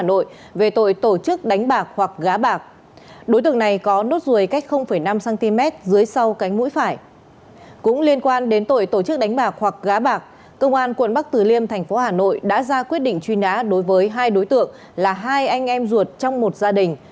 đối với tổ chức đánh bạc hoặc gá bạc công an quận bắc tử liêm thành phố hà nội đã ra quyết định truy nã đối với hai đối tượng là hai anh em ruột trong một gia đình